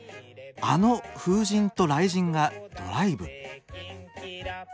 あの風神と雷神がドライブ。